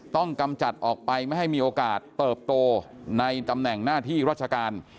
กำจัดออกไปไม่ให้มีโอกาสเติบโตในตำแหน่งหน้าที่ราชการ